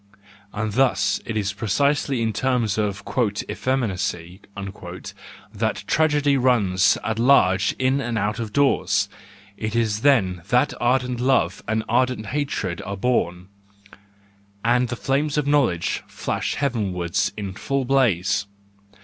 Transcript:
And thus it is precisely in times of " effeminacy " that tragedy runs at large in and out of doors, it is then that ardent love and ardent hatred are born, and the flame of knowledge flashes heaven¬ ward in full blaze.